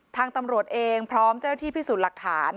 ทางตำรวจเองพร้อมเจ้าหน้าที่พิสูจน์หลักฐาน